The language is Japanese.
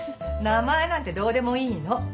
名前なんてどうでもいいの。